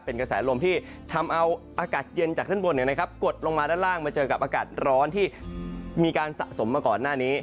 เป็นกระแสลมที่ทำเอาอากาศเย็นจากด้านบนกดลงมาด้านล่างมาเจอกับอากาศร้อนที่มีการสะสมมาก่อนหน้านี้